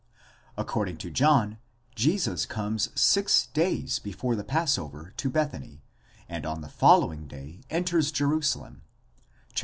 According to John, Jesus comes six days before the passover to Bethany, and on the following day enters Jerusalem (xiii.